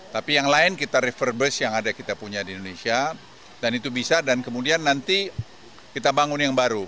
tapi yang lain kita rever bus yang ada kita punya di indonesia dan itu bisa dan kemudian nanti kita bangun yang baru